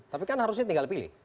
tapi kan harusnya tinggal pilih